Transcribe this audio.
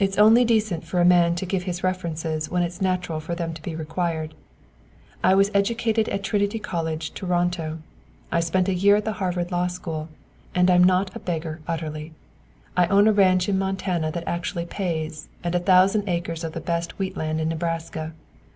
"It's only decent for a man to give his references when it's natural for them to be required. I was educated at Trinity College, Toronto. I spent a year at the Harvard Law School. And I am not a beggar utterly. I own a ranch in Montana that actually pays and a thousand acres of the best wheat land in Nebraska.